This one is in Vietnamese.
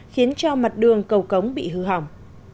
khiến cho mặt đường cầu cống bị hư hỏng